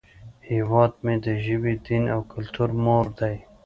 هیواد مې د ژبې، دین، او کلتور مور دی